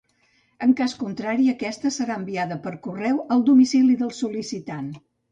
En cas contrari aquesta serà enviada per correu al domicili del sol·licitant.